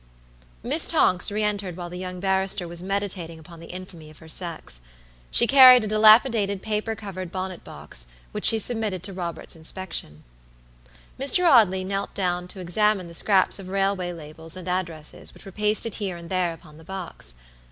Miss Tonks re entered while the young barrister was meditating upon the infamy of her sex. She carried a dilapidated paper covered bonnet box, which she submitted to Robert's inspection. Mr. Audley knelt down to examine the scraps of railway labels and addresses which were pasted here and there upon the box.